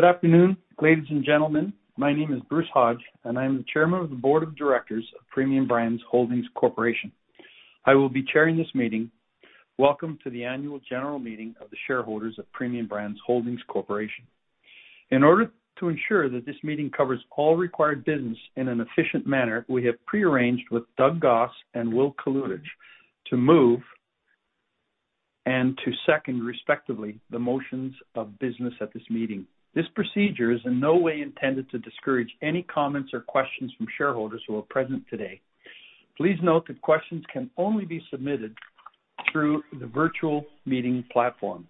Good afternoon, ladies and gentlemen. My name is Bruce Hodge, and I'm the chairman of the board of directors of Premium Brands Holdings Corporation. I will be chairing this meeting. Welcome to the annual general meeting of the shareholders of Premium Brands Holdings Corporation. In order to ensure that this meeting covers all required business in an efficient manner, we have prearranged with Doug Goss and Will Kalutycz to move and to second, respectively, the motions of business at this meeting. This procedure is in no way intended to discourage any comments or questions from shareholders who are present today. Please note that questions can only be submitted through the virtual meeting platform.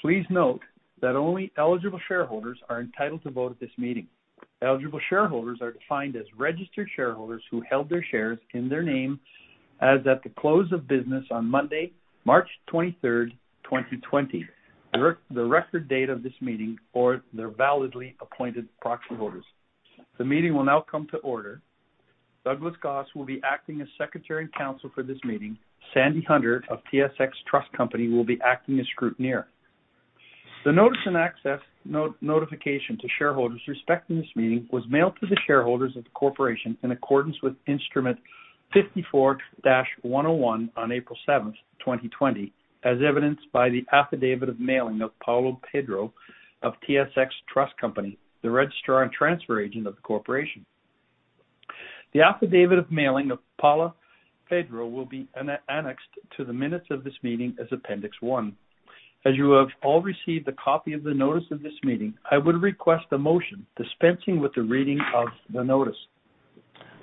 Please note that only eligible shareholders are entitled to vote at this meeting. Eligible shareholders are defined as registered shareholders who held their shares in their name as at the close of business on Monday, March 23rd, 2020, the record date of this meeting, or their validly appointed proxy voters. The meeting will now come to order. Douglas Goss will be acting as secretary counsel for this meeting. Sandy Hunter of TSX Trust Company will be acting as scrutineer. The notice and access notification to shareholders respecting this meeting was mailed to the shareholders of the corporation in accordance with Instrument 54-101 on April 7th, 2020, as evidenced by the affidavit of mailing of Paulo Pedro of TSX Trust Company, the registrar and transfer agent of the corporation. The affidavit of mailing of Paulo Pedro will be annexed to the minutes of this meeting as Appendix one. As you have all received a copy of the notice of this meeting, I would request a motion dispensing with the reading of the notice.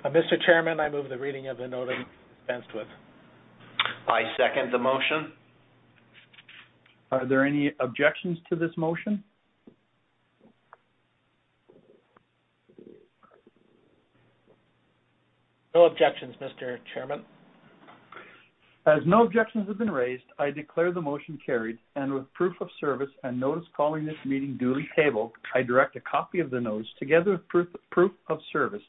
Mr. Chairman, I move the reading of the notice dispensed with. I second the motion. Are there any objections to this motion? No objections, Mr. Chairman. As no objections have been raised, I declare the motion carried, and with proof of service and notice calling this meeting duly tabled, I direct a copy of the notice, together with proof of service,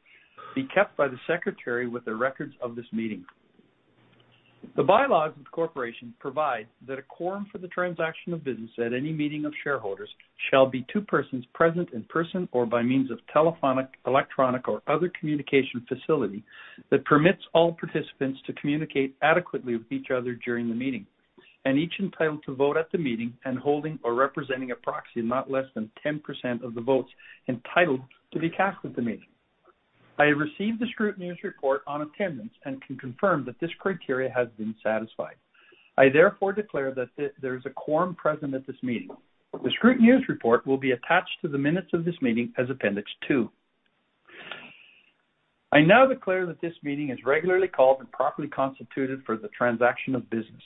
be kept by the secretary with the records of this meeting. The bylaws of the corporation provide that a quorum for the transaction of business at any meeting of shareholders shall be two persons present in person or by means of telephonic, electronic, or other communication facility that permits all participants to communicate adequately with each other during the meeting, and each entitled to vote at the meeting and holding or representing a proxy not less than 10% of the votes entitled to be cast at the meeting. I have received the scrutineer's report on attendance and can confirm that this criteria has been satisfied. I therefore declare that there's a quorum present at this meeting. The scrutineer's report will be attached to the minutes of this meeting as Appendix two. I now declare that this meeting is regularly called and properly constituted for the transaction of business.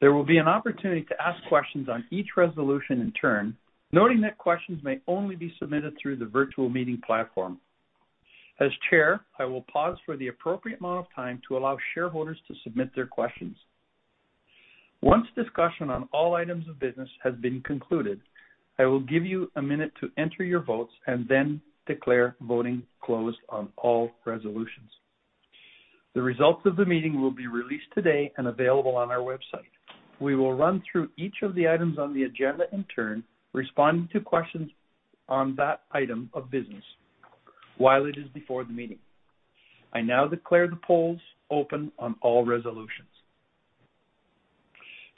There will be an opportunity to ask questions on each resolution in turn, noting that questions may only be submitted through the virtual meeting platform. As chair, I will pause for the appropriate amount of time to allow shareholders to submit their questions. Once discussion on all items of business has been concluded, I will give you a minute to enter your votes and then declare voting closed on all resolutions. The results of the meeting will be released today and available on our website. We will run through each of the items on the agenda in turn, responding to questions on that item of business while it is before the meeting. I now declare the polls open on all resolutions.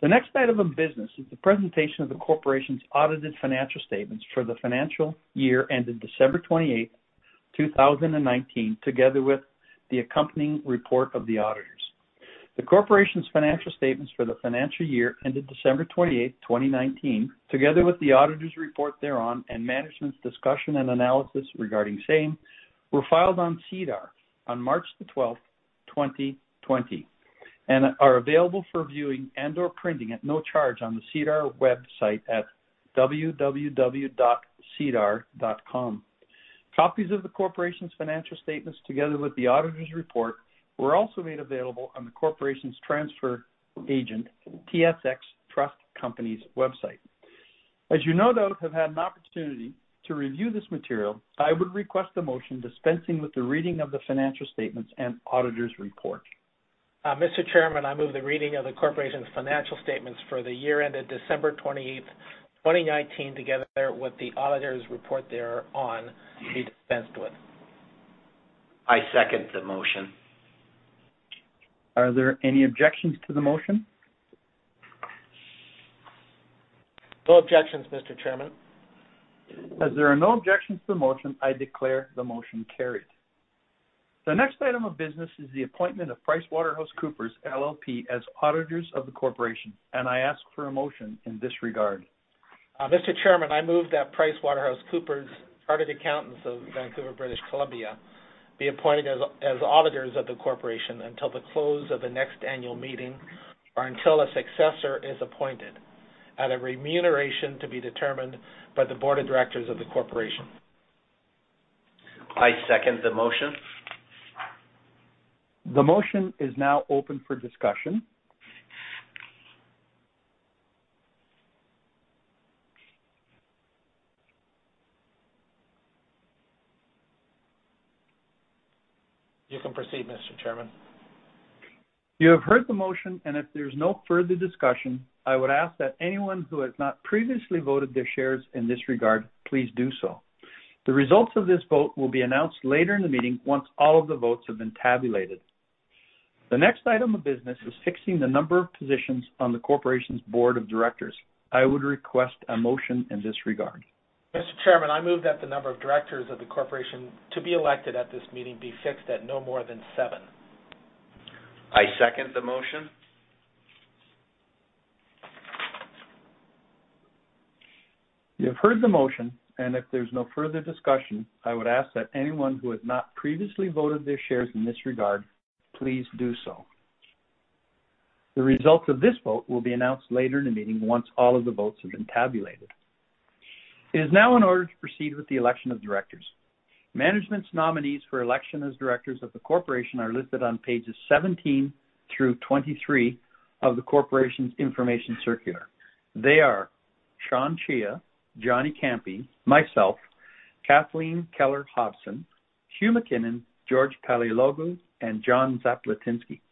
The next item of business is the presentation of the corporation's audited financial statements for the financial year ended December 28th, 2019, together with the accompanying report of the auditors. The corporation's financial statements for the financial year ended December 28th, 2019, together with the auditors' report thereon, and management's discussion and analysis regarding same, were filed on SEDAR on March the 12th, 2020, and are available for viewing and/or printing at no charge on the SEDAR website at www.sedar.com. Copies of the corporation's financial statements, together with the auditors' report, were also made available on the corporation's transfer agent, TSX Trust Company's website. As you no doubt have had an opportunity to review this material, I would request a motion dispensing with the reading of the financial statements and auditors' report. Mr. Chairman, I move the reading of the corporation's financial statements for the year ended December 28th, 2019, together with the auditors' report thereon, be dispensed with. I second the motion. Are there any objections to the motion? No objections, Mr. Chairman. As there are no objections to the motion, I declare the motion carried. The next item of business is the appointment of PricewaterhouseCoopers, LLP as auditors of the corporation, and I ask for a motion in this regard. Mr. Chairman, I move that PricewaterhouseCoopers, Chartered Accountants of Vancouver, British Columbia, be appointed as auditors of the corporation until the close of the next annual meeting or until a successor is appointed, at a remuneration to be determined by the board of directors of the corporation. I second the motion. The motion is now open for discussion. You can proceed, Mr. Chairman. You have heard the motion, and if there's no further discussion, I would ask that anyone who has not previously voted their shares in this regard, please do so. The results of this vote will be announced later in the meeting once all of the votes have been tabulated. The next item of business is fixing the number of positions on the Corporation's Board of Directors. I would request a motion in this regard. Mr. Chairman, I move that the number of directors of the corporation to be elected at this meeting be fixed at no more than seven. I second the motion. You have heard the motion, and if there's no further discussion, I would ask that anyone who has not previously voted their shares in this regard, please do so. The results of this vote will be announced later in the meeting once all of the votes have been tabulated. It is now in order to proceed with the election of directors. Management's nominees for election as directors of the corporation are listed on pages 17 through 23 of the corporation's information circular. They are Sean Cheah, Johnny Ciampi, myself, Kathleen Keller-Hobson, Hugh McKinnon, George Paleologou, and John Zaplatynsky.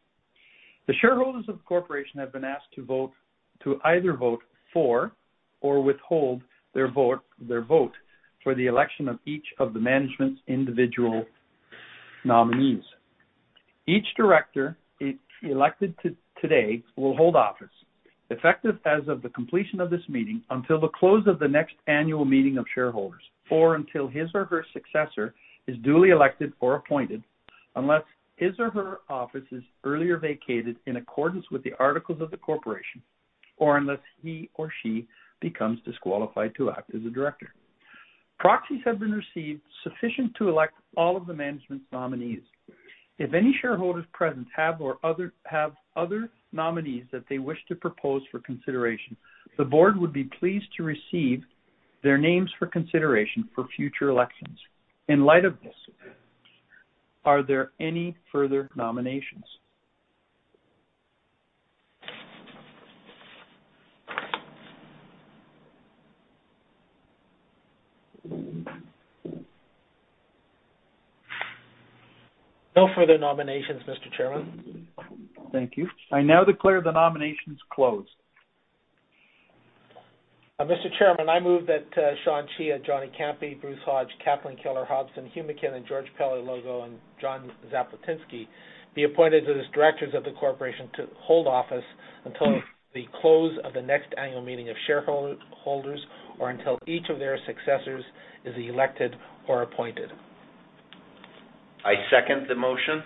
The shareholders of the corporation have been asked to either vote for or withhold their vote for the election of each of the management's individual nominees. Each director elected today will hold office, effective as of the completion of this meeting, until the close of the next annual meeting of shareholders or until his or her successor is duly elected or appointed, unless his or her office is earlier vacated in accordance with the articles of the corporation or unless he or she becomes disqualified to act as a director. Proxies have been received, sufficient to elect all of the management's nominees. If any shareholders present have other nominees that they wish to propose for consideration, the board would be pleased to receive their names for consideration for future elections. In light of this, are there any further nominations? No further nominations, Mr. Chairman. Thank you. I now declare the nominations closed. Mr. Chairman, I move that Sean Cheah, Johnny Ciampi, Bruce Hodge, Kathleen Keller-Hobson, Hugh McKinnon, George Paleologou, and John Zaplatynsky be appointed as directors of the corporation to hold office until the close of the next annual meeting of shareholders or until each of their successors is elected or appointed. I second the motion.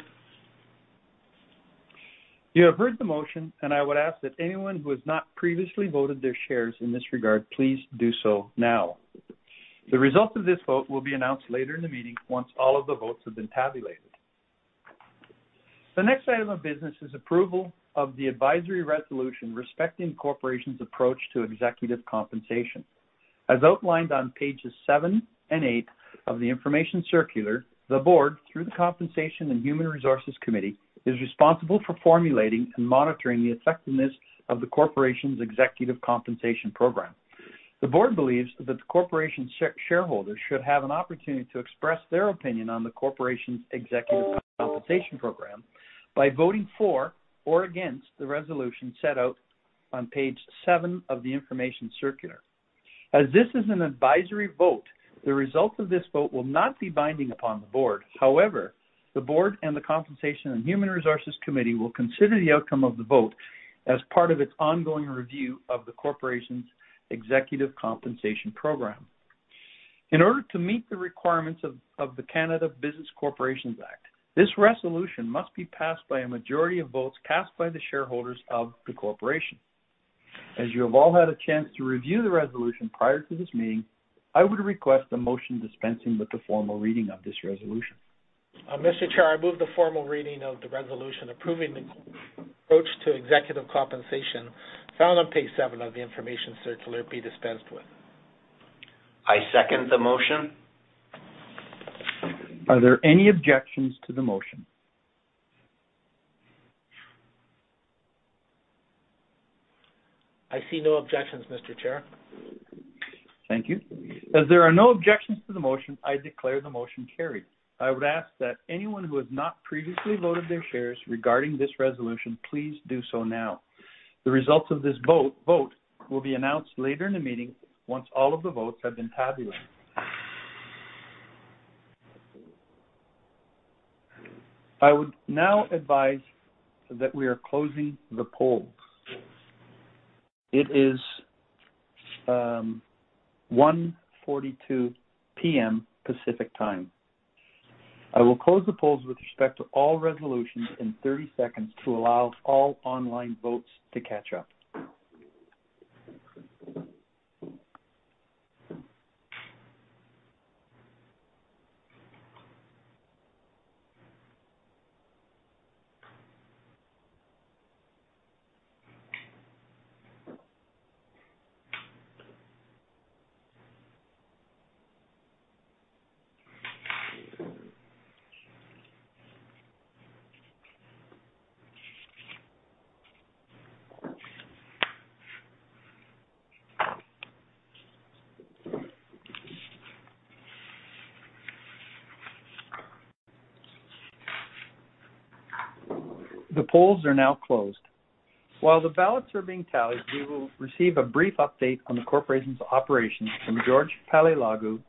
You have heard the motion, and I would ask that anyone who has not previously voted their shares in this regard, please do so now. The results of this vote will be announced later in the meeting once all of the votes have been tabulated. The next item of business is approval of the advisory resolution respecting Corporation's approach to executive compensation. As outlined on pages seven and eight of the information circular, the Board, through the Compensation and Human Resources Committee, is responsible for formulating and monitoring the effectiveness of the Corporation's executive compensation program. The Board believes that the Corporation shareholders should have an opportunity to express their opinion on the Corporation's executive compensation program by voting for or against the resolution set out on page seven of the information circular. As this is an advisory vote, the results of this vote will not be binding upon the board. However, the board and the Compensation and Human Resources Committee will consider the outcome of the vote as part of its ongoing review of the corporation's executive compensation program. In order to meet the requirements of the Canada Business Corporations Act, this resolution must be passed by a majority of votes cast by the shareholders of the corporation. As you have all had a chance to review the resolution prior to this meeting, I would request a motion dispensing with the formal reading of this resolution. Mr. Chair, I move the formal reading of the resolution approving the approach to executive compensation found on page seven of the information circular be dispensed with. I second the motion. Are there any objections to the motion? I see no objections, Mr. Chair. Thank you. As there are no objections to the motion, I declare the motion carried. I would ask that anyone who has not previously voted their shares regarding this resolution, please do so now. The results of this vote will be announced later in the meeting once all of the votes have been tabulated. I would now advise that we are closing the polls. It is 1:42 P.M. Pacific Time. I will close the polls with respect to all resolutions in 30 seconds to allow all online votes to catch up. The polls are now closed. While the ballots are being tallied, we will receive a brief update on the corporation's operations from George Paleologou,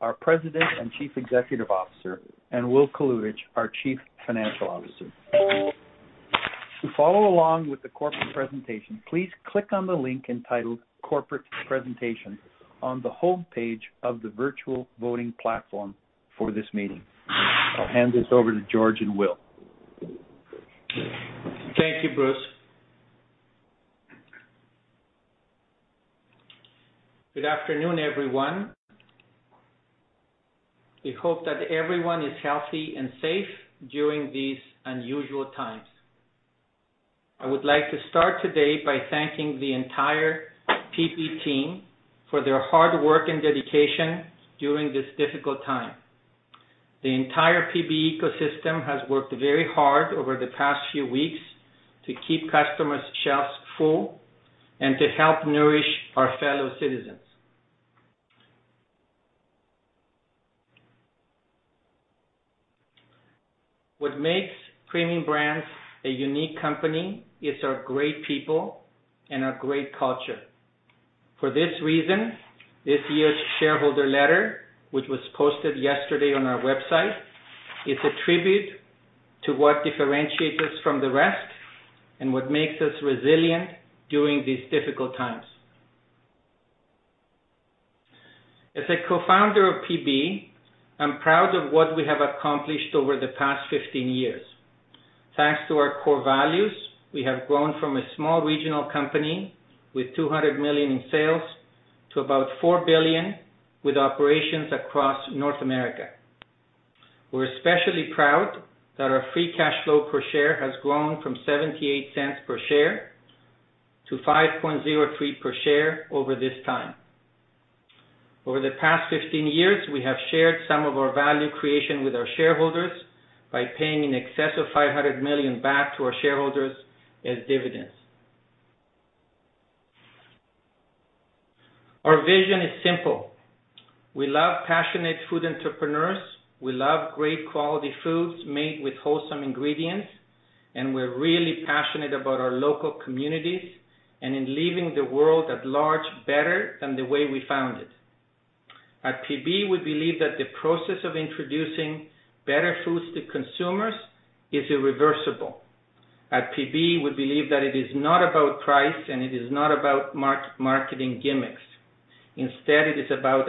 our President and Chief Executive Officer, and Will Kalutycz, our Chief Financial Officer. To follow along with the Corporate Presentation, please click on the link entitled Corporate Presentation on the homepage of the virtual voting platform for this meeting. I will hand this over to George and Will. Thank you, Bruce. Good afternoon, everyone. We hope that everyone is healthy and safe during these unusual times. I would like to start today by thanking the entire PB team for their hard work and dedication during this difficult time. The entire PB ecosystem has worked very hard over the past few weeks to keep customers' shelves full and to help nourish our fellow citizens. What makes Premium Brands a unique company is our great people and our great culture. For this reason, this year's shareholder letter, which was posted yesterday on our website, is a tribute to what differentiates us from the rest and what makes us resilient during these difficult times. As a co-founder of PB, I'm proud of what we have accomplished over the past 15 years. Thanks to our core values, we have grown from a small regional company with 200 million in sales to about 4 billion with operations across North America. We're especially proud that our free cash flow per share has grown from 0.78 per share to 5.03 per share over this time. Over the past 15 years, we have shared some of our value creation with our shareholders by paying in excess of 500 million back to our shareholders as dividends. Our vision is simple. We love passionate food entrepreneurs. We love great quality foods made with wholesome ingredients, and we're really passionate about our local communities and in leaving the world at large better than the way we found it. At PB, we believe that the process of introducing better foods to consumers is irreversible. At PB, we believe that it is not about price, and it is not about marketing gimmicks. Instead, it is about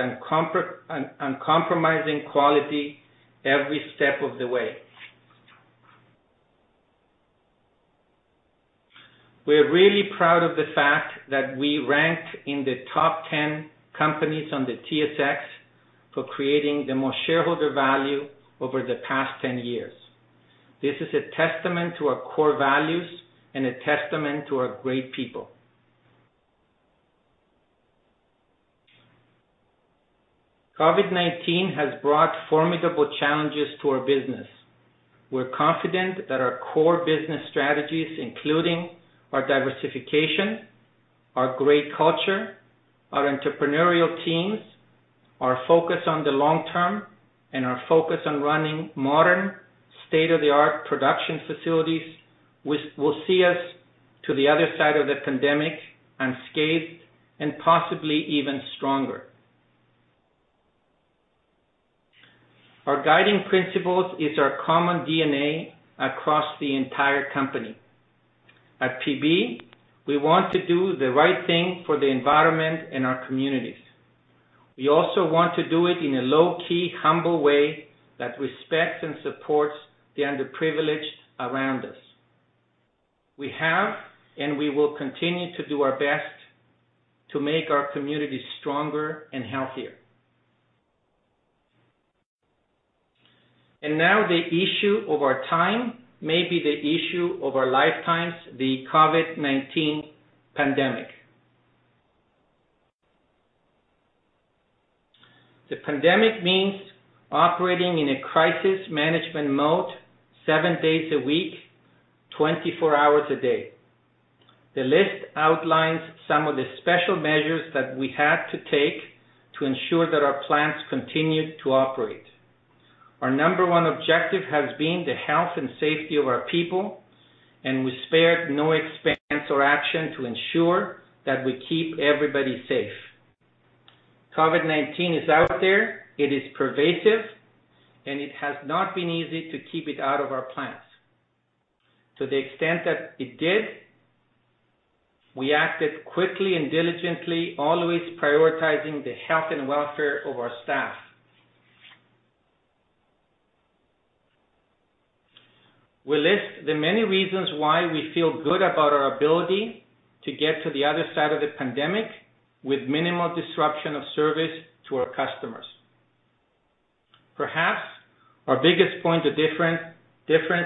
uncompromising quality every step of the way. We're really proud of the fact that we ranked in the top 10 companies on the TSX for creating the most shareholder value over the past 10 years. This is a testament to our core values and a testament to our great people. COVID-19 has brought formidable challenges to our business. We're confident that our core business strategies, including our diversification, our great culture, our entrepreneurial teams, our focus on the long term, and our focus on running modern, state-of-the-art production facilities, will see us to the other side of the pandemic unscathed and possibly even stronger. Our guiding principles is our common DNA across the entire company. At Premium Brands, we want to do the right thing for the environment and our communities. We also want to do it in a low-key, humble way that respects and supports the underprivileged around us. We have, and we will continue to do our best to make our communities stronger and healthier. Now the issue of our time may be the issue of our lifetimes, the COVID-19 pandemic. The pandemic means operating in a crisis management mode seven days a week, 24 hours a day. The list outlines some of the special measures that we had to take to ensure that our plants continued to operate. Our number one objective has been the health and safety of our people, and we spared no expense or action to ensure that we keep everybody safe. COVID-19 is out there, it is pervasive, and it has not been easy to keep it out of our plants. To the extent that it did, we acted quickly and diligently, always prioritizing the health and welfare of our staff. We list the many reasons why we feel good about our ability to get to the other side of the pandemic with minimal disruption of service to our customers. Perhaps our biggest point of difference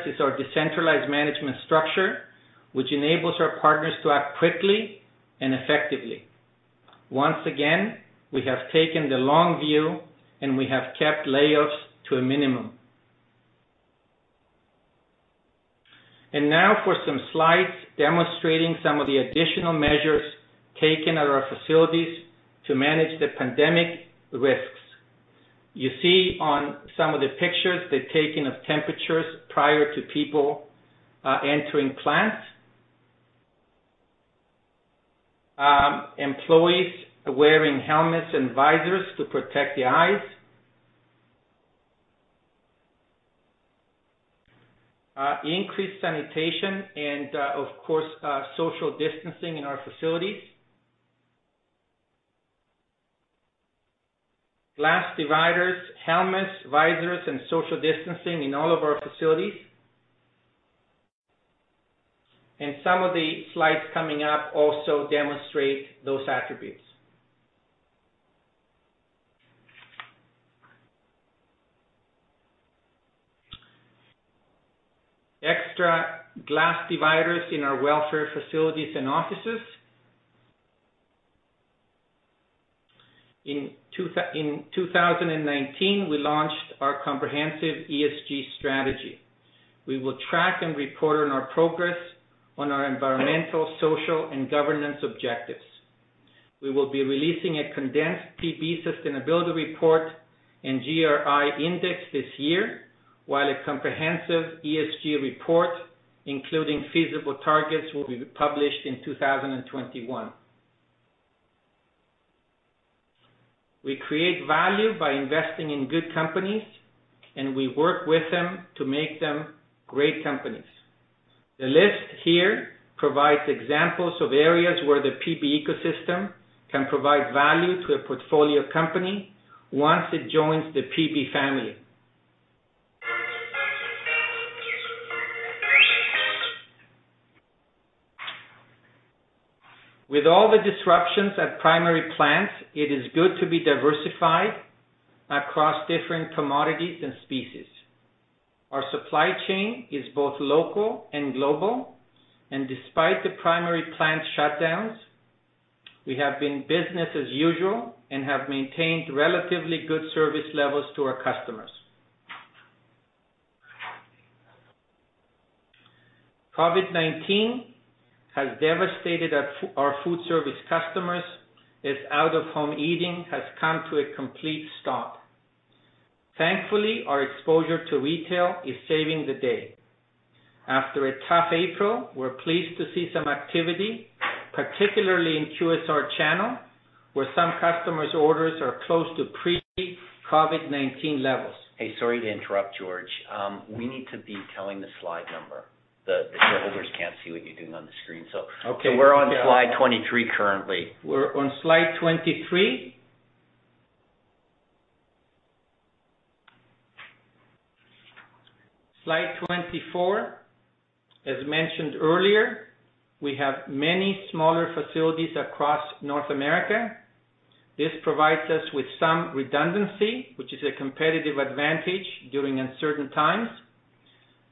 is our decentralized management structure, which enables our partners to act quickly and effectively. Once again, we have taken the long view, and we have kept layoffs to a minimum. Now for some slides demonstrating some of the additional measures taken at our facilities to manage the pandemic risks. You see on some of the pictures, the taking of temperatures prior to people entering plants. Employees wearing helmets and visors to protect the eyes. Increased sanitation, of course, social distancing in our facilities. Glass dividers, helmets, visors and social distancing in all of our facilities. Some of the slides coming up also demonstrate those attributes. Extra glass dividers in our welfare facilities and offices. In 2019, we launched our comprehensive ESG strategy. We will track and report on our progress on our environmental, social, and governance objectives. We will be releasing a condensed PB sustainability report and GRI index this year, while a comprehensive ESG report, including feasible targets, will be published in 2021. We create value by investing in good companies, and we work with them to make them great companies. The list here provides examples of areas where the PB ecosystem can provide value to a portfolio company once it joins the PB family. With all the disruptions at primary plants, it is good to be diversified across different commodities and species. Our supply chain is both local and global, and despite the primary plant shutdowns, we have been business as usual and have maintained relatively good service levels to our customers. COVID-19 has devastated our food service customers, as out-of-home eating has come to a complete stop. Thankfully, our exposure to retail is saving the day. After a tough April, we're pleased to see some activity, particularly in QSR channel, where some customers' orders are close to pre-COVID-19 levels. Hey, sorry to interrupt, George. We need to be telling the slide number. The shareholders can't see what you're doing on the screen. Okay. We're on slide 23 currently. We're on slide 23. Slide 24. As mentioned earlier, we have many smaller facilities across North America. This provides us with some redundancy, which is a competitive advantage during uncertain times.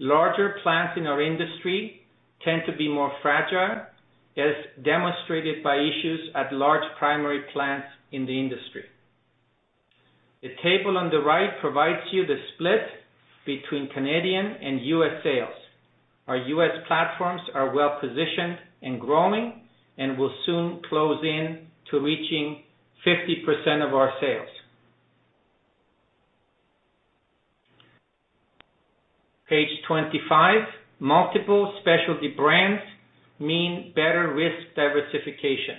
Larger plants in our industry tend to be more fragile, as demonstrated by issues at large primary plants in the industry. The table on the right provides you the split between Canadian and U.S. sales. Our U.S. platforms are well-positioned and growing and will soon close in to reaching 50% of our sales. Page 25. Multiple specialty brands mean better risk diversification.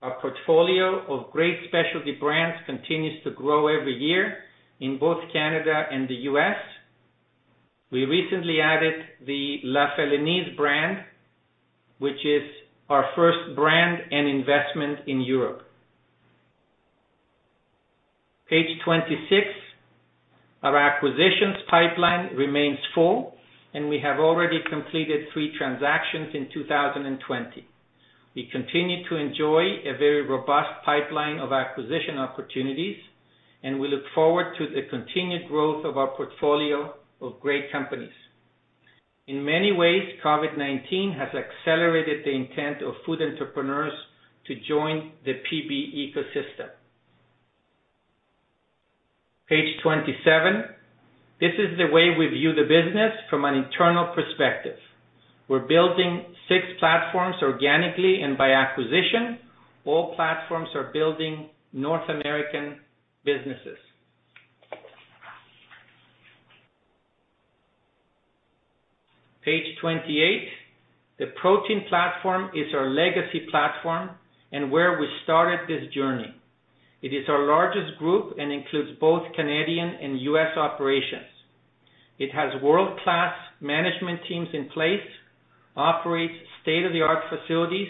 Our portfolio of great specialty brands continues to grow every year in both Canada and the U.S. We recently added the La Felinese brand, which is our first brand and investment in Europe. Page 26. Our acquisitions pipeline remains full, and we have already completed three transactions in 2020. We continue to enjoy a very robust pipeline of acquisition opportunities, and we look forward to the continued growth of our portfolio of great companies. In many ways, COVID-19 has accelerated the intent of food entrepreneurs to join the PB ecosystem. Page 27. This is the way we view the business from an internal perspective. We're building six platforms organically and by acquisition. All platforms are building North American businesses. Page 28. The protein platform is our legacy platform and where we started this journey. It is our largest group and includes both Canadian and U.S. operations. It has world-class management teams in place, operates state-of-the-art facilities,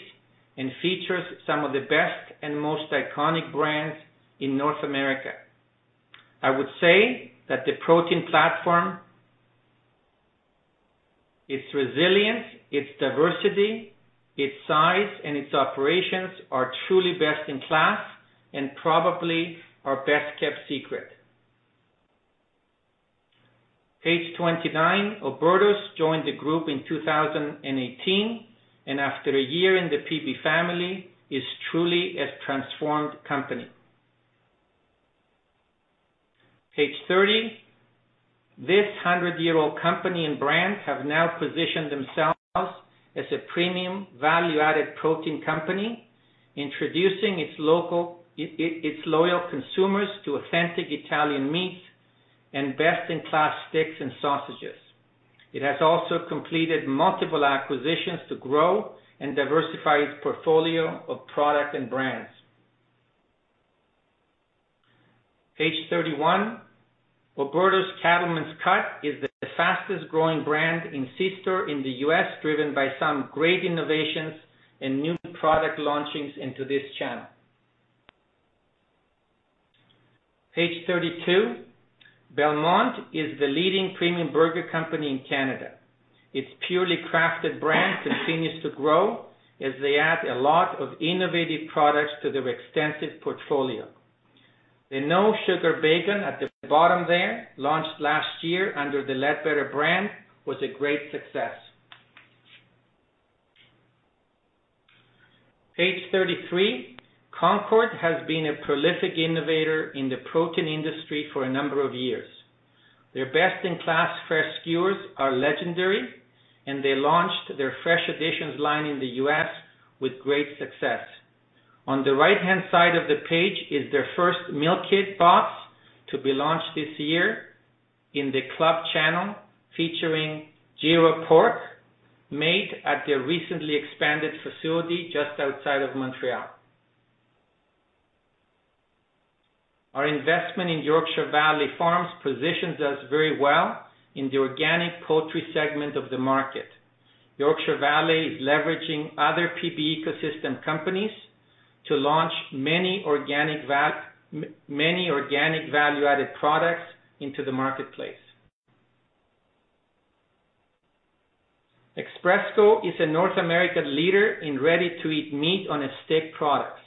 and features some of the best and most iconic brands in North America. I would say that the protein platform, its resilience, its diversity, its size, and its operations are truly best in class and probably our best-kept secret. Page 29. Oberto joined the group in 2018, and after a year in the PB family, is truly a transformed company. Page 30. This 100-year-old company and brand have now positioned themselves as a premium value-added protein company, introducing its loyal consumers to authentic Italian meats and best-in-class steaks and sausages. It has also completed multiple acquisitions to grow and diversify its portfolio of product and brands. Page 31. Oberto's Cut is the fastest growing brand in sister in the U.S., driven by some great innovations and new product launchings into this channel. Page 32. Belmont is the leading premium burger company in Canada. Its Purely Crafted brands continue to grow as they add a lot of innovative products to their extensive portfolio. The no sugar bacon at the bottom there, launched last year under the Leadbetter's brand, was a great success. Page 33. Concord has been a prolific innovator in the protein industry for a number of years. Their best-in-class fresh skewers are legendary, and they launched their Fresh Additions line in the U.S. with great success. On the right-hand side of the page is their first meal kit box to be launched this year in the club channel, featuring gyro pork, made at their recently expanded facility just outside of Montreal. Our investment in Yorkshire Valley Farms positions us very well in the organic poultry segment of the market. Yorkshire Valley is leveraging other PB ecosystem companies to launch many organic value-added products into the marketplace. Expresco is a North American leader in ready-to-eat meat on a stick products.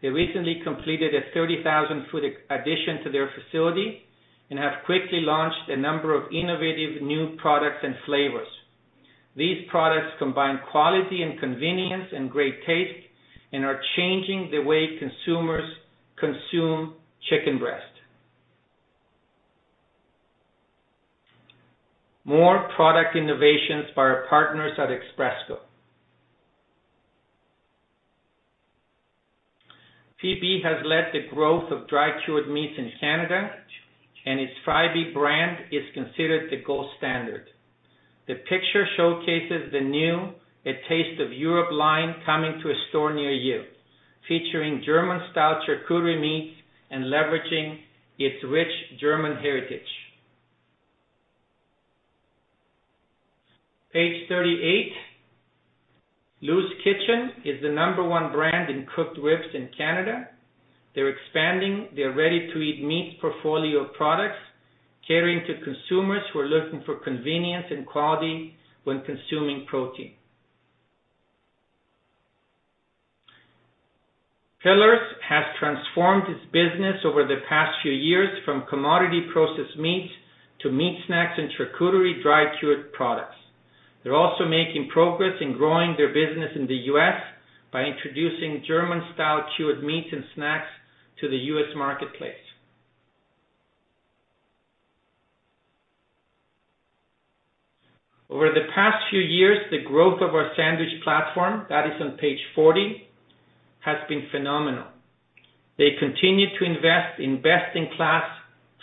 They recently completed a 30,000-foot addition to their facility and have quickly launched a number of innovative new products and flavors. These products combine quality and convenience and great taste and are changing the way consumers consume chicken breast. More product innovations by our partners at Expresco. PB has led the growth of dry cured meats in Canada, and its Freybe brand is considered the gold standard. The picture showcases the new A Taste of Europe line coming to a store near you, featuring German-style charcuterie meats and leveraging its rich German heritage. Page 38. Lou's Kitchen is the number one brand in cooked ribs in Canada. They're expanding their ready-to-eat meat portfolio of products, catering to consumers who are looking for convenience and quality when consuming protein. Piller's has transformed its business over the past few years from commodity processed meats to meat snacks and charcuterie dry cured products. They're also making progress in growing their business in the U.S. by introducing German-style cured meats and snacks to the U.S. marketplace. Over the past few years, the growth of our sandwich platform, that is on page 40, has been phenomenal. They continue to invest in best-in-class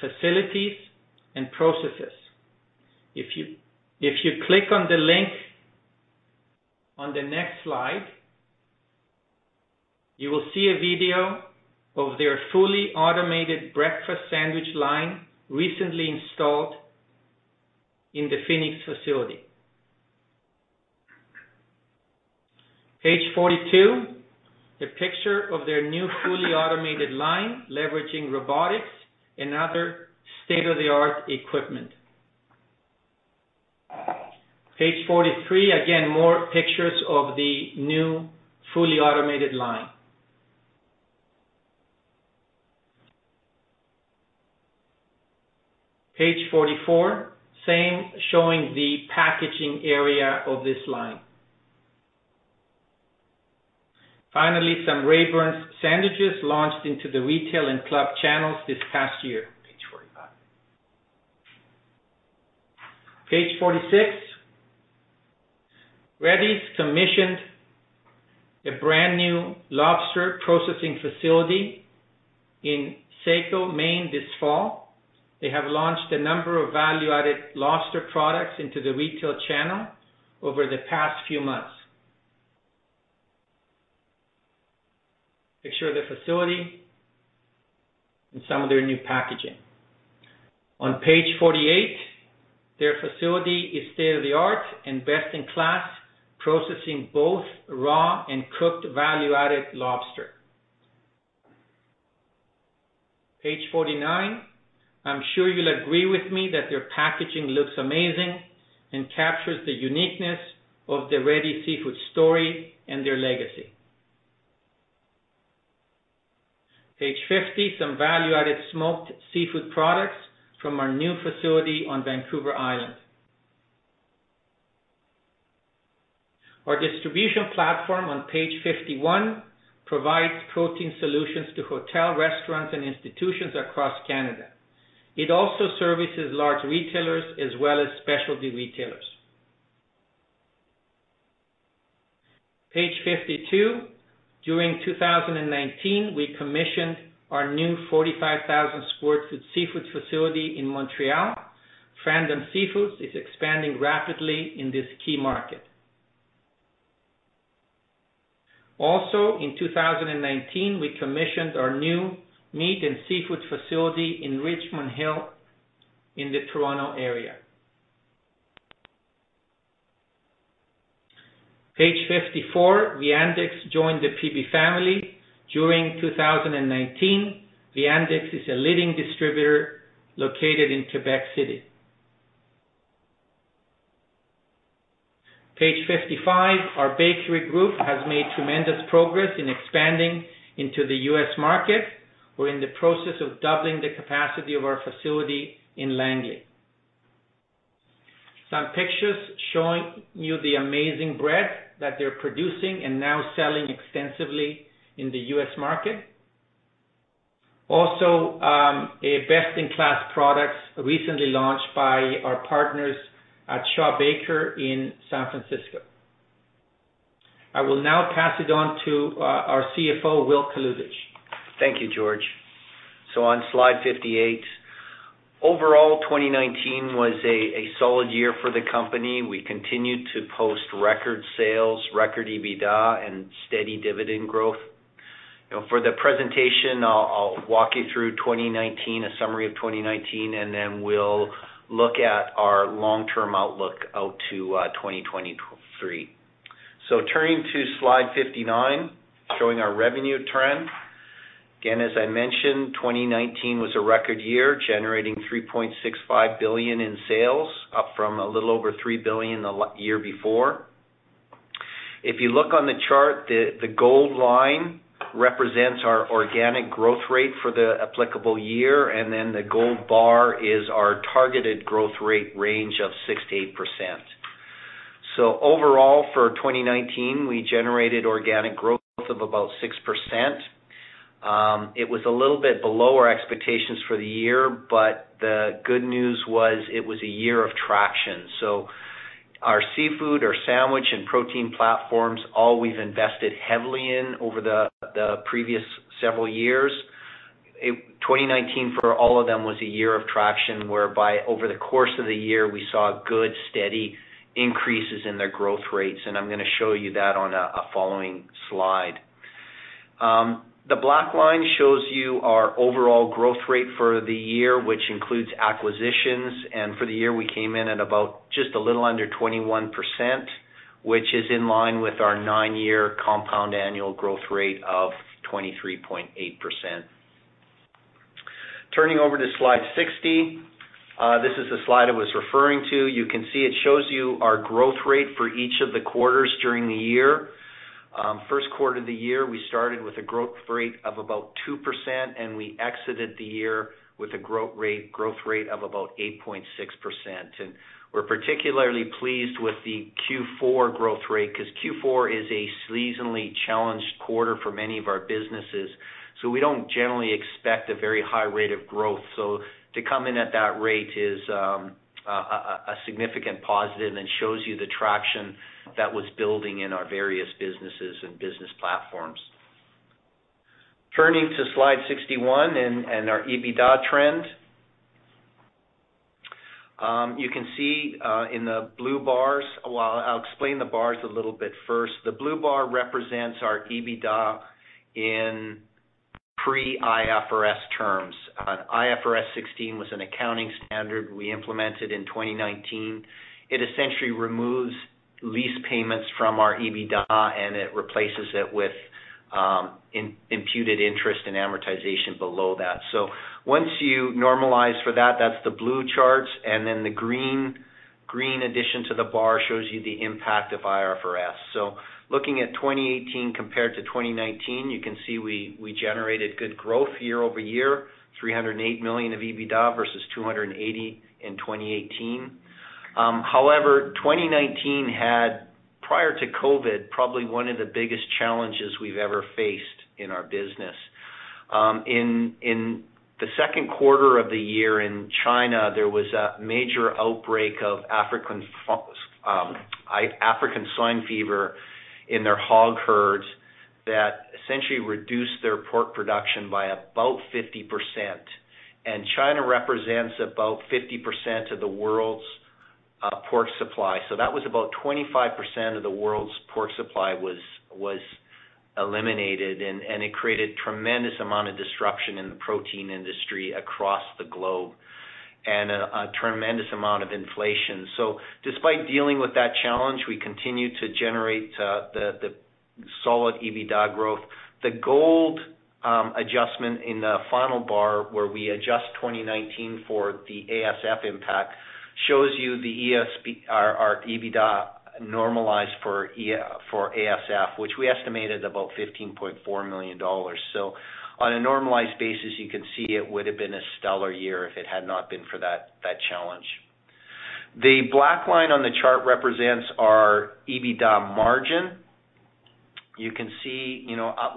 facilities and processes. If you click on the link on the next slide, you will see a video of their fully automated breakfast sandwich line recently installed in the Phoenix facility. Page 42. A picture of their new fully automated line, leveraging robotics and other state-of-the-art equipment. Page 43. Again, more pictures of the new fully automated line. Page 44. Same, showing the packaging area of this line. Finally, some Raybern's sandwiches launched into the retail and club channels this past year. Page 45. Page 46. Ready's commissioned a brand new lobster processing facility in Saco, Maine this fall. They have launched a number of value-added lobster products into the retail channel over the past few months. Picture of the facility and some of their new packaging. On page 48, their facility is state-of-the-art and best in class, processing both raw and cooked value-added lobster. Page 49. I'm sure you'll agree with me that their packaging looks amazing and captures the uniqueness of the Ready Seafood story and their legacy. Page 50. Some value-added smoked seafood products from our new facility on Vancouver Island. Our distribution platform on page 51 provides protein solutions to hotel restaurants and institutions across Canada. It also services large retailers as well as specialty retailers. Page 52, during 2019, we commissioned our new 45,000 sq ft seafood facility in Montreal. Frandon Seafood is expanding rapidly in this key market. Also in 2019, we commissioned our new meat and seafood facility in Richmond Hill in the Toronto area. Page 54, Viandex joined the PB family during 2019. Viandex is a leading distributor located in Quebec City. Page 55, our bakery group has made tremendous progress in expanding into the U.S. market. We're in the process of doubling the capacity of our facility in Langley. Some pictures showing you the amazing bread that they're producing and now selling extensively in the U.S. market. Also, a best-in-class product recently launched by our partners at Shaw Bakers in San Francisco. I will now pass it on to our CFO, Will Kalutycz. Thank you, George. On slide 58, overall, 2019 was a solid year for the company. We continued to post record sales, record EBITDA, and steady dividend growth. For the presentation, I'll walk you through 2019, a summary of 2019, and then we'll look at our long-term outlook out to 2023. Turning to slide 59, showing our revenue trend. Again, as I mentioned, 2019 was a record year, generating 3.65 billion in sales, up from a little over 3 billion the year before. If you look on the chart, the gold line represents our organic growth rate for the applicable year, and then the gold bar is our targeted growth rate range of 6%-8%. Overall, for 2019, we generated organic growth of about 6%. It was a little bit below our expectations for the year, but the good news was it was a year of traction. Our seafood, our sandwich, and protein platforms, all we've invested heavily in over the previous several years. 2019, for all of them, was a year of traction, whereby over the course of the year, we saw good, steady increases in their growth rates, and I'm going to show you that on a following slide. The black line shows you our overall growth rate for the year, which includes acquisitions. For the year, we came in at about just a little under 21%, which is in line with our nine-year compound annual growth rate of 23.8%. Turning over to slide 60. This is the slide I was referring to. You can see it shows you our growth rate for each of the quarters during the year. First quarter of the year, we started with a growth rate of about 2%, and we exited the year with a growth rate of about 8.6%. We're particularly pleased with the Q4 growth rate because Q4 is a seasonally challenged quarter for many of our businesses. We don't generally expect a very high rate of growth. To come in at that rate is a significant positive and shows you the traction that was building in our various businesses and business platforms. Turning to slide 61 and our EBITDA trend. You can see in the blue bars. Well, I'll explain the bars a little bit first. The blue bar represents our EBITDA in pre-IFRS terms. IFRS 16 was an accounting standard we implemented in 2019. It essentially removes lease payments from our EBITDA, and it replaces it with imputed interest and amortization below that. Once you normalize for that's the blue charts, and then the green addition to the bar shows you the impact of IFRS. Looking at 2018 compared to 2019, you can see we generated good growth year-over-year, 308 million of EBITDA versus 280 million in 2018. However, 2019 had, prior to COVID, probably one of the biggest challenges we've ever faced in our business. In the second quarter of the year in China, there was a major outbreak of African swine fever in their hog herds that essentially reduced their pork production by about 50%. China represents about 50% of the world's pork supply. That was about 25% of the world's pork supply was eliminated, and it created tremendous amount of disruption in the protein industry across the globe and a tremendous amount of inflation. Despite dealing with that challenge, we continued to generate the solid EBITDA growth. The gold adjustment in the final bar, where we adjust 2019 for the ASF impact, shows you our EBITDA normalized for ASF, which we estimated about 15.4 million dollars. On a normalized basis, you can see it would have been a stellar year if it had not been for that challenge. The black line on the chart represents our EBITDA margin. You can see,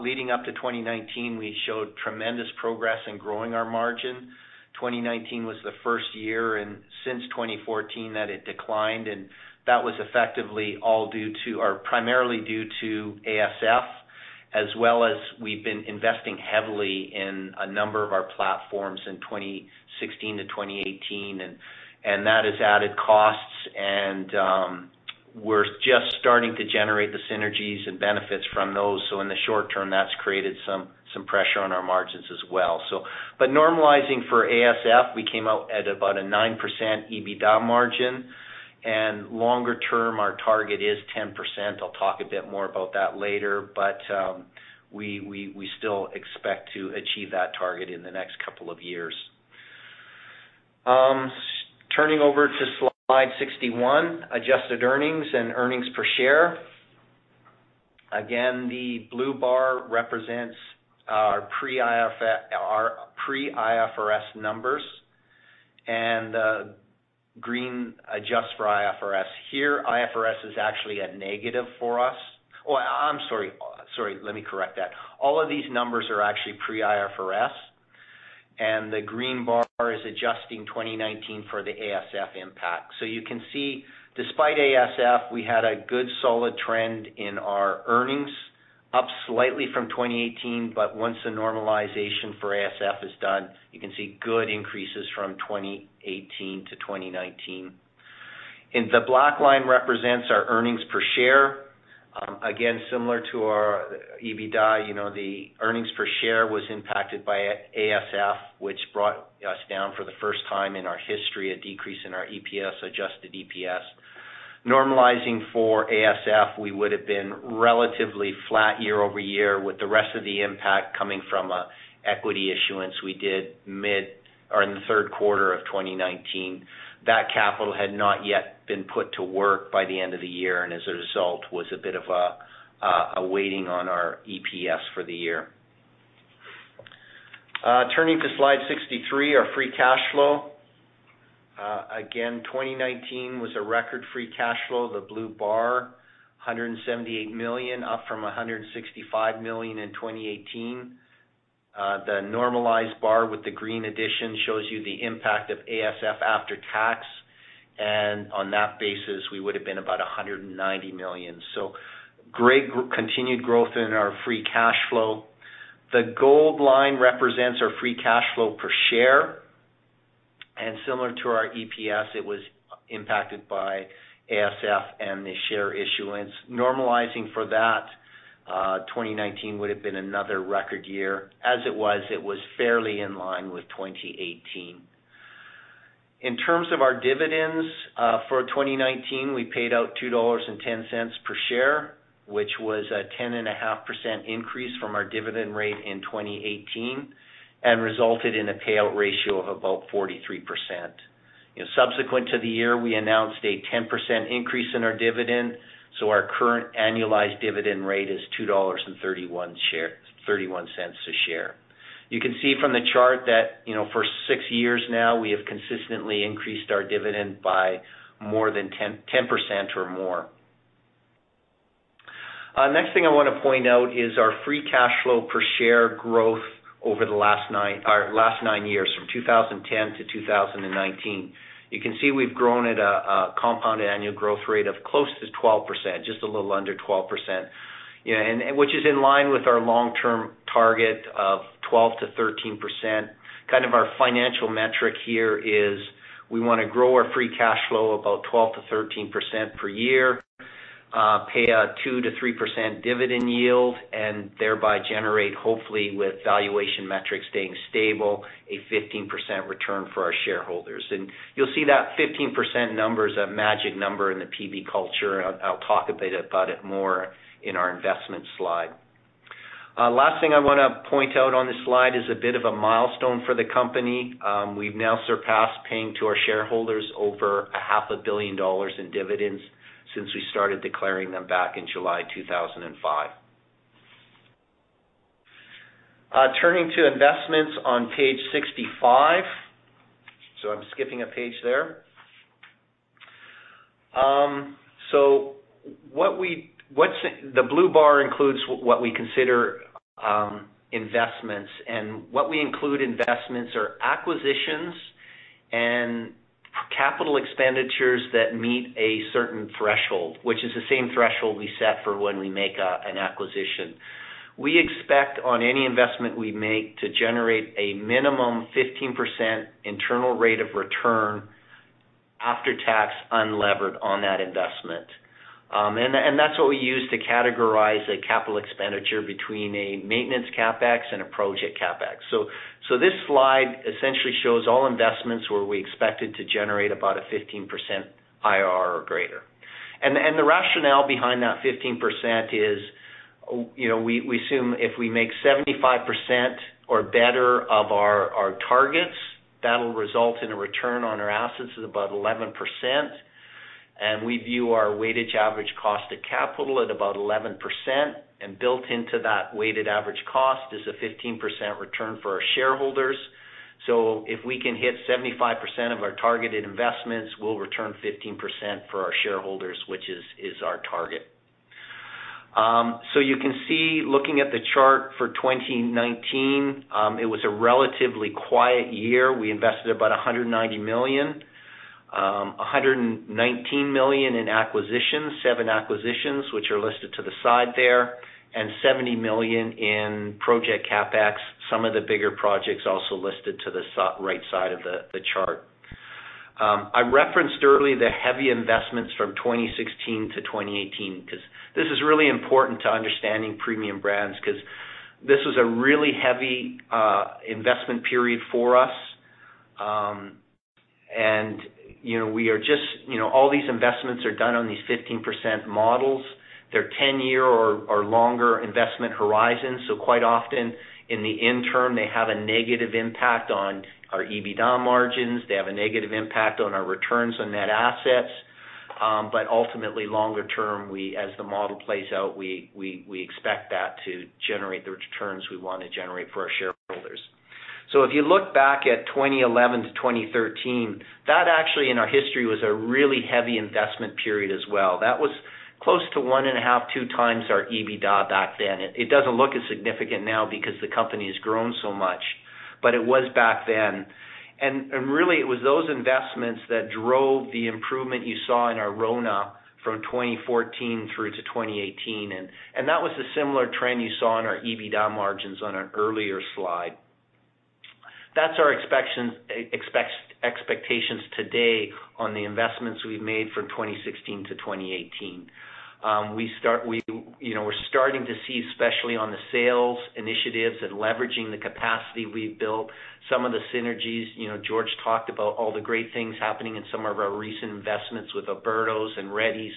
leading up to 2019, we showed tremendous progress in growing our margin. 2019 was the first year and since 2014 that it declined, and that was effectively all due to or primarily due to ASF, as well as we've been investing heavily in a number of our platforms in 2016 to 2018, and that has added costs and we're just starting to generate the synergies and benefits from those. In the short term, that's created some pressure on our margins as well. Normalizing for ASF, we came out at about a 9% EBITDA margin, and longer term, our target is 10%. I'll talk a bit more about that later, we still expect to achieve that target in the next couple of years. Turning over to slide 61, adjusted earnings and earnings per share. Again, the blue bar represents our pre-IFRS numbers and the green adjust for IFRS. Here, IFRS is actually a negative for us. Oh, I'm sorry. Let me correct that. All of these numbers are actually pre-IFRS, the green bar is adjusting 2019 for the ASF impact. You can see, despite ASF, we had a good solid trend in our earnings, up slightly from 2018, once the normalization for ASF is done, you can see good increases from 2018 to 2019. The black line represents our earnings per share. Again, similar to our EBITDA, the earnings per share was impacted by ASF, which brought us down for the first time in our history, a decrease in our EPS, adjusted EPS. Normalizing for ASF, we would have been relatively flat year-over-year with the rest of the impact coming from an equity issuance we did mid or in the third quarter of 2019. That capital had not yet been put to work by the end of the year, and as a result, was a bit of a waiting on our EPS for the year. Turning to slide 63, our free cash flow. Again, 2019 was a record free cash flow, the blue bar, 178 million, up from 165 million in 2018. The normalized bar with the green addition shows you the impact of ASF after tax, and on that basis, we would have been about 190 million. Great continued growth in our free cash flow. The gold line represents our free cash flow per share, and similar to our EPS, it was impacted by ASF and the share issuance. Normalizing for that, 2019 would have been another record year. As it was, it was fairly in line with 2018. In terms of our dividends, for 2019, we paid out 2.10 dollars per share, which was a 10.5% increase from our dividend rate in 2018 and resulted in a payout ratio of about 43%. Subsequent to the year, we announced a 10% increase in our dividend, our current annualized dividend rate is 2.31 dollars a share. You can see from the chart that for six years now, we have consistently increased our dividend by more than 10% or more. Next thing I want to point out is our free cash flow per share growth over the last nine years, from 2010 to 2019. You can see we've grown at a compounded annual growth rate of close to 12%, just a little under 12%, which is in line with our long-term target of 12%-13%. Kind of our financial metric here is we want to grow our free cash flow about 12%-13% per year, pay a 2%-3% dividend yield, and thereby generate, hopefully with valuation metrics staying stable, a 15% return for our shareholders. You'll see that 15% number is a magic number in the PB culture. I'll talk about it more in our investment slide. Last thing I want to point out on this slide is a bit of a milestone for the company. We've now surpassed paying to our shareholders over a half a billion CAD in dividends since we started declaring them back in July 2005. Turning to investments on page 65. I'm skipping a page there. The blue bar includes what we consider investments, and what we include investments are acquisitions and capital expenditures that meet a certain threshold, which is the same threshold we set for when we make an acquisition. We expect on any investment we make to generate a minimum 15% internal rate of return after tax unlevered on that investment. That's what we use to categorize a capital expenditure between a maintenance CapEx and a project CapEx. This slide essentially shows all investments where we expected to generate about a 15% IRR or greater. The rationale behind that 15% is, we assume if we make 75% or better of our targets, that'll result in a return on our assets of about 11%, and we view our weighted average cost of capital at about 11%, and built into that weighted average cost is a 15% return for our shareholders. If we can hit 75% of our targeted investments, we'll return 15% for our shareholders, which is our target. You can see looking at the chart for 2019, it was a relatively quiet year. We invested about 190 million, 119 million in acquisitions, seven acquisitions, which are listed to the side there, and 70 million in project CapEx. Some of the bigger projects also listed to the right side of the chart. I referenced earlier the heavy investments from 2016 to 2018 because this is really important to understanding Premium Brands because this was a really heavy investment period for us. All these investments are done on these 15% models. They're 10 year or longer investment horizons, quite often in the interim, they have a negative impact on our EBITDA margins, they have a negative impact on our returns on net assets. Ultimately, longer term, as the model plays out, we expect that to generate the returns we want to generate for our shareholders. If you look back at 2011 to 2013, that actually in our history was a really heavy investment period as well. That was close to one and a half, two times our EBITDA back then. It doesn't look as significant now because the company has grown so much, but it was back then. Really it was those investments that drove the improvement you saw in our RONA from 2014 through to 2018. That was a similar trend you saw in our EBITDA margins on our earlier slide. That's our expectations today on the investments we've made from 2016 to 2018. We're starting to see, especially on the sales initiatives and leveraging the capacity we've built, some of the synergies. George talked about all the great things happening in some of our recent investments with Oberto's and Ready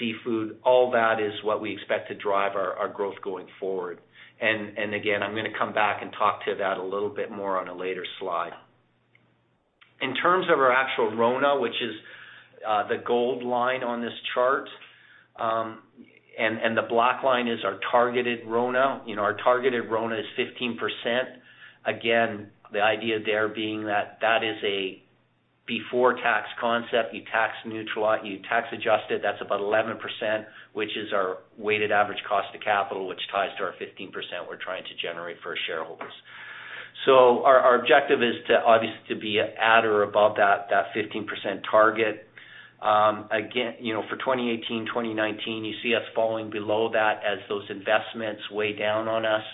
Seafood. All that is what we expect to drive our growth going forward. Again, I'm going to come back and talk to that a little bit more on a later slide. In terms of our actual RONA, which is the gold line on this chart, and the black line is our targeted RONA. Our targeted RONA is 15%. The idea there being that that is a before tax concept. You tax adjust it, that is about 11%, which is our weighted average cost of capital, which ties to our 15% we are trying to generate for our shareholders. Our objective is to obviously to be at or above that 15% target. For 2018, 2019, you see us falling below that as those investments weigh down on us,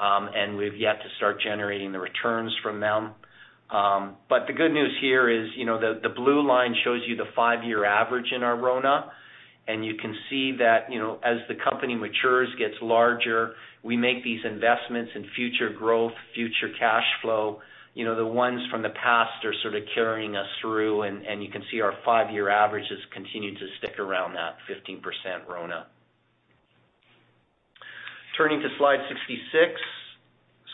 and we have yet to start generating the returns from them. The good news here is the blue line shows you the five-year average in our RONA, and you can see that as the company matures, gets larger, we make these investments in future growth, future cash flow. The ones from the past are sort of carrying us through, and you can see our five-year average has continued to stick around that 15% RONA. Turning to slide 66,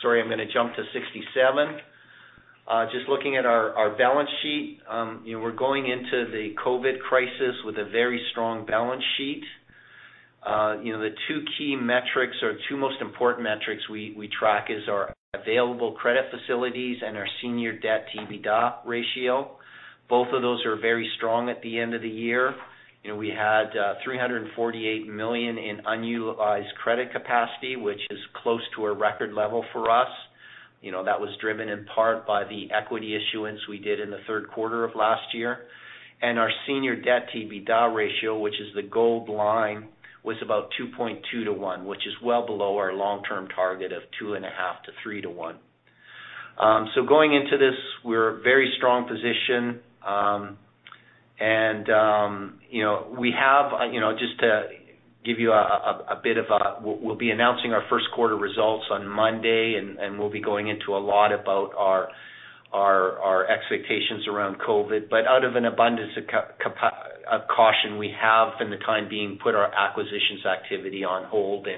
sorry, I'm going to jump to 67. Just looking at our balance sheet. We're going into the COVID crisis with a very strong balance sheet. The two key metrics or two most important metrics we track is our available credit facilities and our senior debt to EBITDA ratio. Both of those are very strong at the end of the year. We had 348 million in unutilized credit capacity, which is close to a record level for us. That was driven in part by the equity issuance we did in the third quarter of last year. Our senior debt to EBITDA ratio, which is the gold line, was about 2.2 to one, which is well below our long-term target of 2.5 to 3 to one. Going into this, we're at a very strong position. We'll be announcing our first quarter results on Monday, and we'll be going into a lot about our expectations around COVID-19. Out of an abundance of caution, we have, for the time being, put our acquisitions activity on hold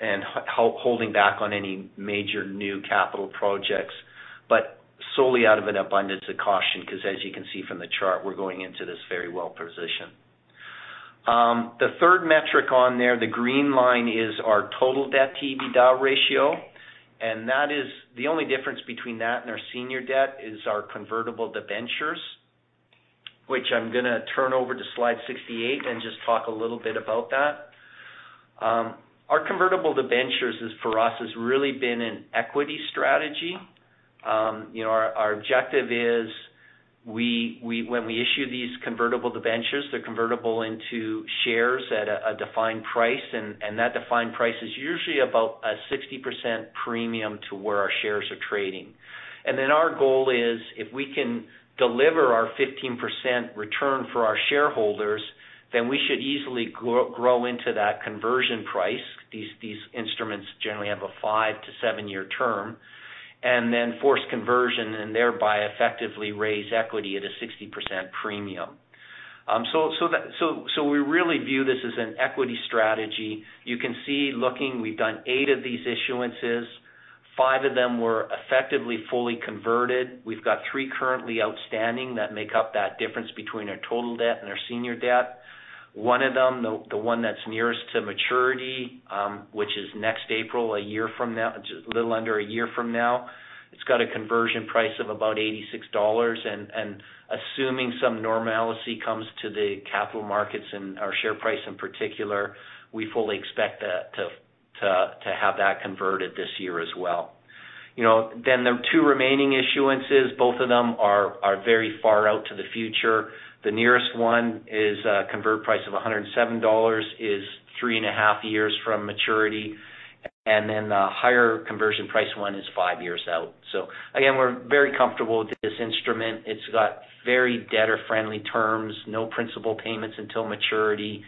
and holding back on any major new capital projects, but solely out of an abundance of caution because as you can see from the chart, we're going into this very well positioned. The third metric on there, the green line, is our total debt to EBITDA ratio. The only difference between that and our senior debt is our convertible debentures, which I'm going to turn over to slide 68 and just talk a little bit about that. Our convertible debentures for us has really been an equity strategy. Our objective is when we issue these convertible debentures, they are convertible into shares at a defined price, and that defined price is usually about a 60% premium to where our shares are trading. Our goal is, if we can deliver our 15% return for our shareholders, then we should easily grow into that conversion price. These instruments generally have a five to seven-year term. Force conversion and thereby effectively raise equity at a 60% premium. We really view this as an equity strategy. You can see looking, we have done eight of these issuances. Five of them were effectively fully converted. We have got three currently outstanding that make up that difference between our total debt and our senior debt. One of them, the one that is nearest to maturity, which is next April, a little under a year from now. It's got a conversion price of about 86 dollars. Assuming some normality comes to the capital markets and our share price in particular, we fully expect to have that converted this year as well. The two remaining issuances, both of them are very far out to the future. The nearest one is a convert price of 107 dollars, is three and a half years from maturity. The higher conversion price one is five years out. Again, we're very comfortable with this instrument. It's got very debtor-friendly terms, no principal payments until maturity,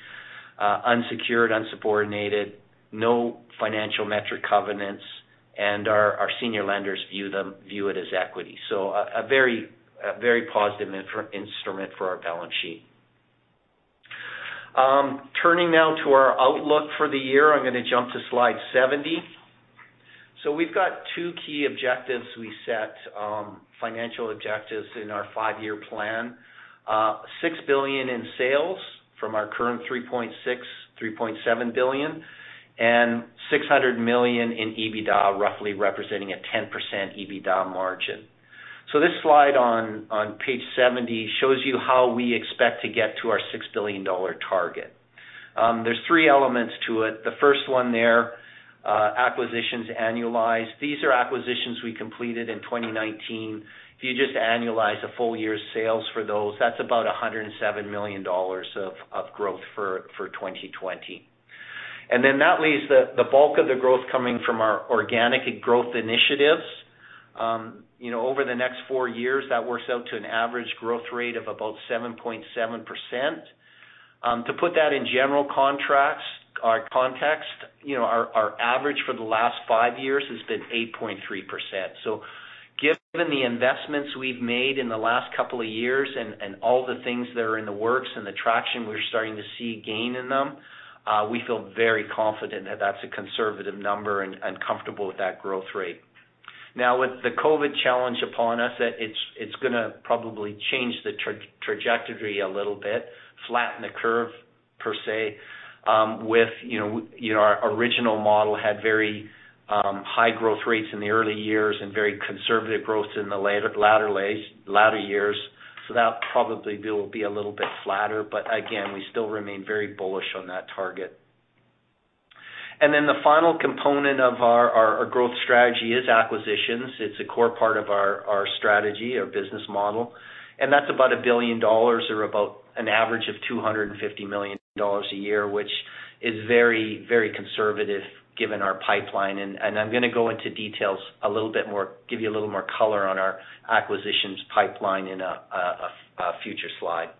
unsecured, unsubordinated, no financial metric covenants, and our senior lenders view it as equity. A very positive instrument for our balance sheet. Turning now to our outlook for the year, I'm going to jump to slide 70. We've got two key objectives we set, financial objectives in our five-year plan. 6 billion in sales from our current 3.6 billion, 3.7 billion, and 600 million in EBITDA, roughly representing a 10% EBITDA margin. This slide on page 70 shows you how we expect to get to our 6 billion dollar target. There's three elements to it. The first one there, acquisitions annualized. These are acquisitions we completed in 2019. If you just annualize a full year's sales for those, that's about 107 million dollars of growth for 2020. That leaves the bulk of the growth coming from our organic growth initiatives. Over the next four years, that works out to an average growth rate of about 7.7%. To put that in general context, our average for the last five years has been 8.3%. Given the investments we've made in the last couple of years and all the things that are in the works and the traction we're starting to see gain in them, we feel very confident that that's a conservative number and comfortable with that growth rate. With the COVID challenge upon us, it's going to probably change the trajectory a little bit, flatten the curve per se. Our original model had very high growth rates in the early years and very conservative growth in the latter years, so that probably will be a little bit flatter. Again, we still remain very bullish on that target. The final component of our growth strategy is acquisitions. It's a core part of our strategy, our business model. That's about 1 billion dollars or about an average of 250 million dollars a year, which is very conservative given our pipeline. I'm going to go into details a little bit more, give you a little more color on our acquisitions pipeline in a future slide.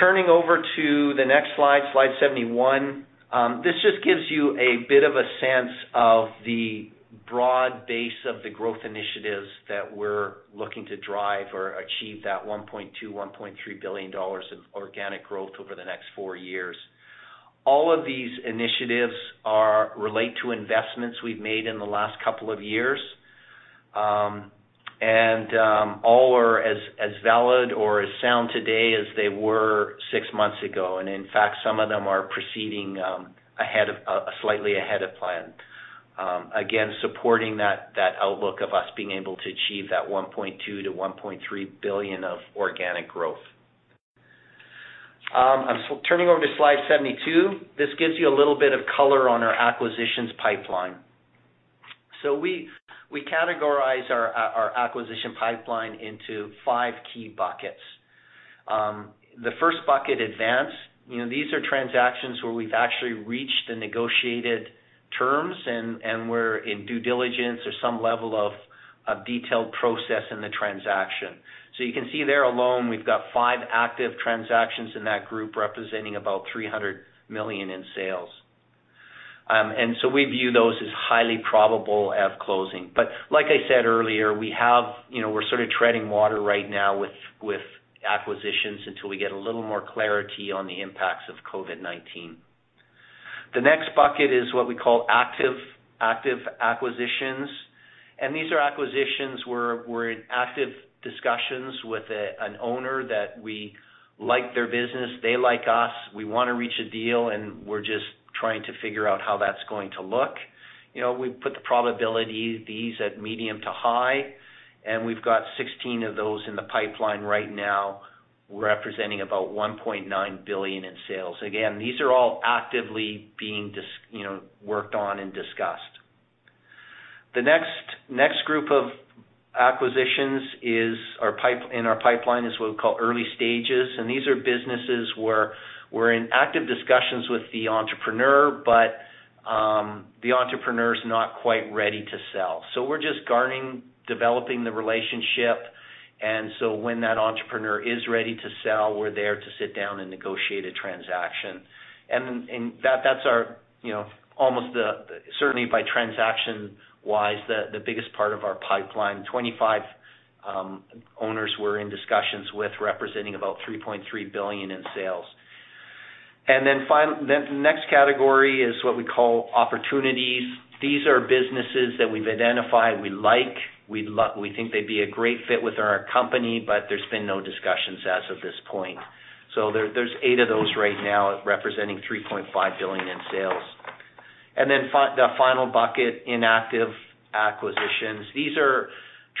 Turning over to the next slide 71. This just gives you a bit of a sense of the broad base of the growth initiatives that we're looking to drive or achieve that 1.2 billion, 1.3 billion dollars of organic growth over the next four years. All of these initiatives relate to investments we've made in the last couple of years. All are as valid or as sound today as they were six months ago. In fact, some of them are proceeding slightly ahead of plan. Again, supporting that outlook of us being able to achieve that 1.2 billion to 1.3 billion of organic growth. I'm turning over to slide 72. This gives you a little bit of color on our acquisitions pipeline. We categorize our acquisition pipeline into five key buckets. The first bucket, advance. These are transactions where we've actually reached the negotiated terms, and we're in due diligence or some level of detailed process in the transaction. You can see there alone, we've got five active transactions in that group representing about 300 million in sales. We view those as highly probable at closing. Like I said earlier, we're sort of treading water right now with acquisitions until we get a little more clarity on the impacts of COVID-19. The next bucket is what we call active acquisitions, and these are acquisitions where we're in active discussions with an owner that we like their business, they like us, we want to reach a deal, and we're just trying to figure out how that's going to look. We put the probability of these at medium to high, and we've got 16 of those in the pipeline right now representing about 1.9 billion in sales. Again, these are all actively being worked on and discussed. The next group of acquisitions in our pipeline is what we call early stages, and these are businesses where we're in active discussions with the entrepreneur, but the entrepreneur is not quite ready to sell. We're just garnering, developing the relationship, and so when that entrepreneur is ready to sell, we're there to sit down and negotiate a transaction. That's our, certainly by transaction-wise, the biggest part of our pipeline. 25 owners we're in discussions with representing about 3.3 billion in sales. The next category is what we call opportunities. These are businesses that we've identified, we like, we think they'd be a great fit with our company, but there's been no discussions as of this point. There's 8 of those right now representing 3.5 billion in sales. The final bucket, inactive acquisitions. These are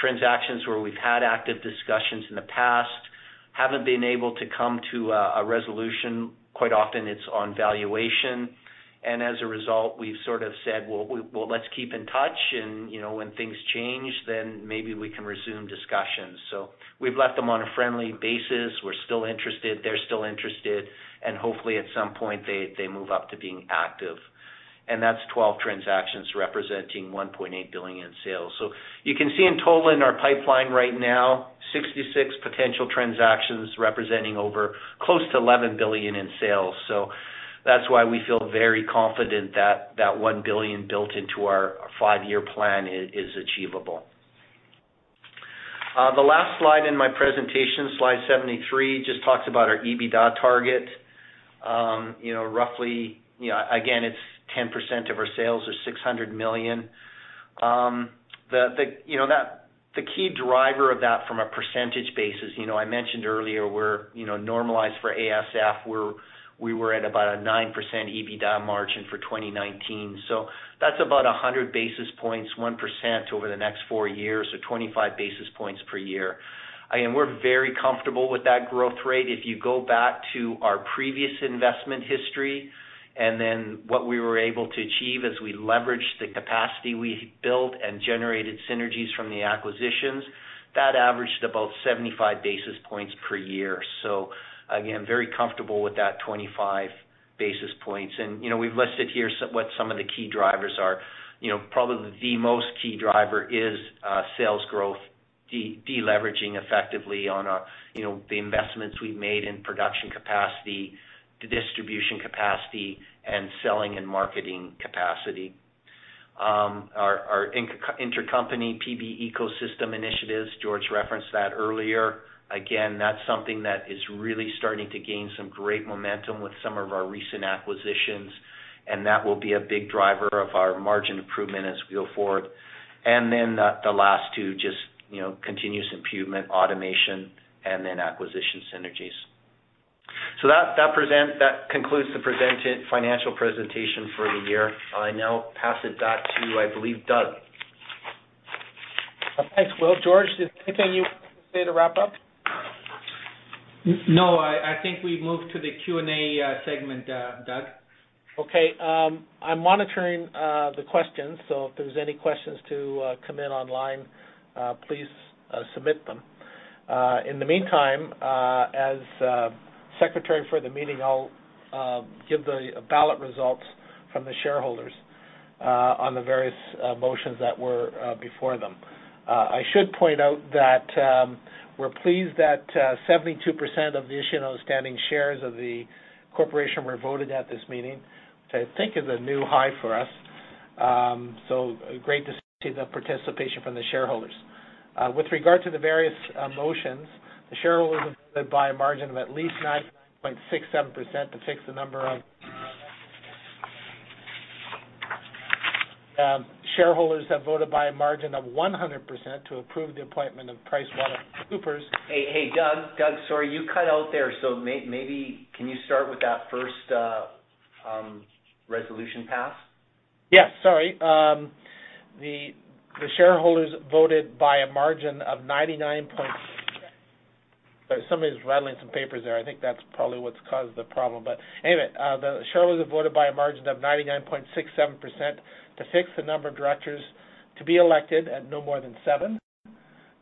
transactions where we've had active discussions in the past, haven't been able to come to a resolution. Quite often it's on valuation. As a result, we've sort of said, "Well, let's keep in touch and when things change, then maybe we can resume discussions." We've left them on a friendly basis. We're still interested, they're still interested, and hopefully at some point they move up to being active. That's 12 transactions representing 1.8 billion in sales. You can see in total in our pipeline right now, 66 potential transactions representing over close to 11 billion in sales. That's why we feel very confident that that 1 billion built into our five-year plan is achievable. The last slide in my presentation, slide 73, just talks about our EBITDA target. Roughly, again, it's 10% of our sales of 600 million. The key driver of that from a percentage basis, I mentioned earlier, we're normalized for ASF, we were at about a 9% EBITDA margin for 2019. That's about 100 basis points, 1% over the next four years, 25 basis points per year. Again, we're very comfortable with that growth rate. If you go back to our previous investment history, then what we were able to achieve as we leveraged the capacity we built and generated synergies from the acquisitions, that averaged about 75 basis points per year. Again, very comfortable with that 25 basis points. We've listed here what some of the key drivers are. Probably the most key driver is sales growth, deleveraging effectively on the investments we've made in production capacity, the distribution capacity, and selling and marketing capacity. Our intercompany PB ecosystem initiatives, George referenced that earlier. Again, that's something that is really starting to gain some great momentum with some of our recent acquisitions, that will be a big driver of our margin improvement as we go forward. Then the last two, just continuous improvement, automation, then acquisition synergies. That concludes the financial presentation for the year. I now pass it back to, I believe, Doug. Thanks, Will. George, is there anything you want to say to wrap up? No, I think we move to the Q&A segment, Doug. Okay. I'm monitoring the questions. If there's any questions to come in online, please submit them. In the meantime, as secretary for the meeting, I'll give the ballot results from the shareholders on the various motions that were before them. I should point out that we're pleased that 72% of the issued and outstanding shares of the corporation were voted at this meeting, which I think is a new high for us. Great to see the participation from the shareholders. With regard to the various motions, the shareholders have voted by a margin of at least 99.67%. Shareholders have voted by a margin of 100% to approve the appointment of PricewaterhouseCoopers, LLP. Hey, Doug. Sorry, you cut out there. Maybe can you start with that first resolution passed? Yeah, sorry, somebody's rattling some papers there. I think that's probably what's caused the problem. Anyway, the shareholders have voted by a margin of 99.67% to fix the number of directors to be elected at no more than seven.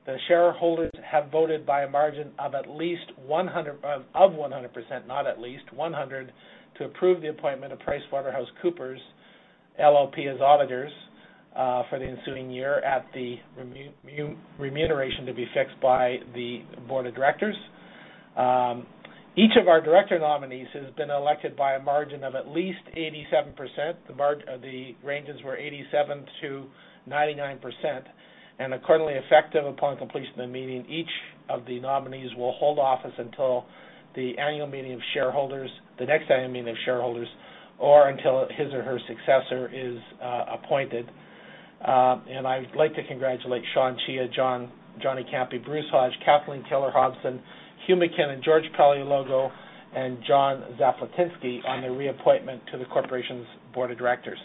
The shareholders have voted by a margin of 100% to approve the appointment of PricewaterhouseCoopers, LLP, as auditors for the ensuing year at the remuneration to be fixed by the board of directors. Each of our director nominees has been elected by a margin of at least 87%. The ranges were 87%-99%, Accordingly, effective upon completion of the meeting, each of the nominees will hold office until the next annual meeting of shareholders, or until his or her successor is appointed. I'd like to congratulate Sean Cheah, Johnny Ciampi, Bruce Hodge, Kathleen Keller-Hobson, Hugh McKinnon, George Paleologou, and John Zaplatynsky on their reappointment to the corporation's board of directors.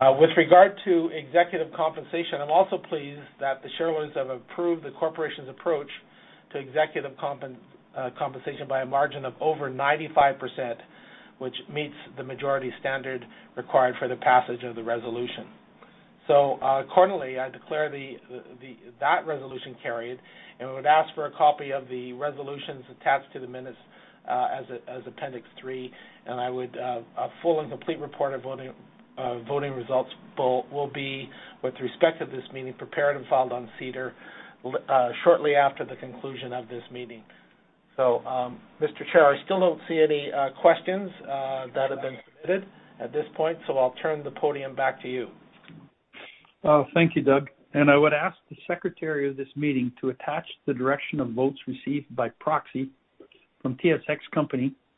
With regard to executive compensation, I'm also pleased that the shareholders have approved the corporation's approach to executive compensation by a margin of over 95%, which meets the majority standard required for the passage of the resolution. Accordingly, I declare that resolution carried, and would ask for a copy of the resolutions attached to the minutes as Appendix 3. A full and complete report of voting results will be, with respect of this meeting, prepared and filed on SEDAR shortly after the conclusion of this meeting. Mr. Chair, I still don't see any questions that have been submitted at this point, so I'll turn the podium back to you. Thank you, Doug. I would ask the secretary of this meeting to attach the direction of votes received by proxy from TSX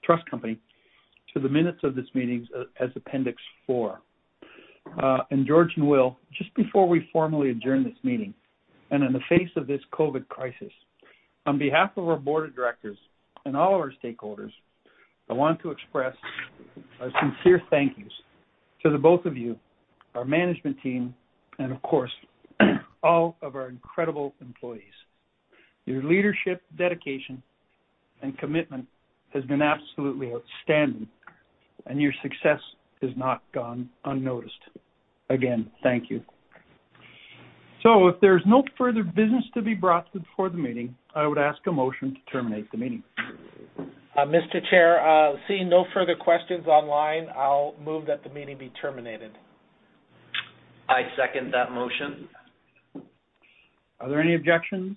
Trust Company to the minutes of this meeting as Appendix 4. George and Will, just before we formally adjourn this meeting, in the face of this COVID-19 crisis, on behalf of our board of directors and all of our stakeholders, I want to express our sincere thank yous to the both of you, our management team, and of course, all of our incredible employees. Your leadership, dedication, and commitment has been absolutely outstanding, your success has not gone unnoticed. Again, thank you. If there's no further business to be brought before the meeting, I would ask a motion to terminate the meeting. Mr. Chair, seeing no further questions online, I'll move that the meeting be terminated. I second that motion. Are there any objections?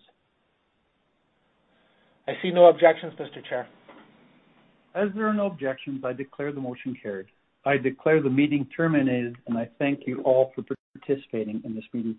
I see no objections, Mr. Chair. As there are no objections, I declare the motion carried. I declare the meeting terminated, and I thank you all for participating in this meeting.